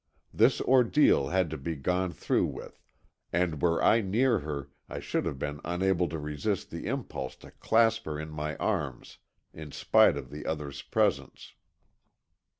This ordeal had to be gone through with, and were I near her, I should have been unable to resist the impulse to clasp her in my arms in spite of the others' presence.